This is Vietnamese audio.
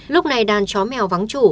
lúc này đàn chó mèo vắng chủ